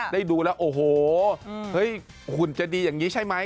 ได้ดูแล้วโอ้โหเฮ้ยหุ่นจะดีอย่างนี้ใช่ไหม